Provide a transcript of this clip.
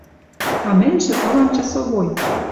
А мӹньжӹ ылам часовой.